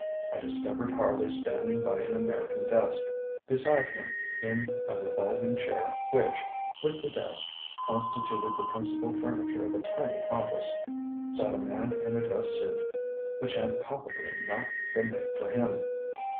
I discovered Harley standing by an American desk. Beside him in a revolving chair which, with the desk, constituted the principal furniture of a tiny office, sat a man in a dress suit which had palpably not been made for him.